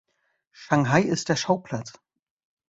Shanghai ist der Schauplatz.